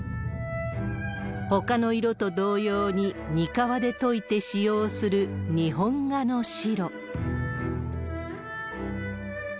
ほかの色と同様に、にかわで溶いて使用する、日本画の白。